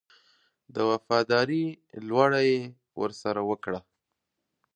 د وفاداري لوړه یې ورسره وکړه.